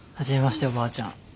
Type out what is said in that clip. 初めましておばあちゃん。